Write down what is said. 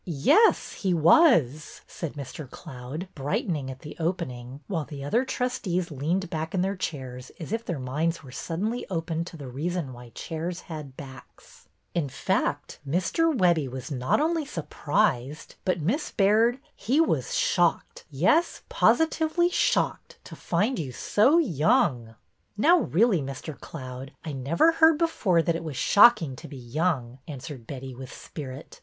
'' Yes, he was," said Mr. Cloud, brightening at the opening, while the other trustees leaned back in their chairs as if their minds were sud denly opened to the reason why chairs had backs. In fact, Mr. Webbie was not only surprised, but. Miss Baird, he was shocked, yes, positively shocked, to find you so young." Now, really, Mr. Cloud, I never heard before that it was ' shocking ' to be young," answered Betty, with spirit.